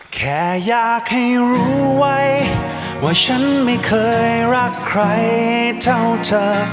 แค่อยากให้รู้ไว้ว่าฉันไม่เคยรักใครเท่าเธอ